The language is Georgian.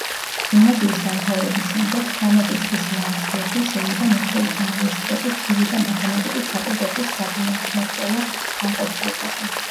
გიმნაზიის დამთავრების შემდეგ თვრამეტი წლის ლანდსბერგი შევიდა მოსკოვის უნივერსიტეტის ფიზიკა-მათემატიკის ფაკულტეტის საბუნებისმეტყველო განყოფილებაზე.